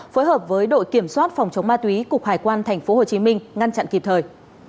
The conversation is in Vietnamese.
phối hợp với đội kiểm soát phòng chống ma túy cục hải quan tp hcm ngăn chặn kịp thời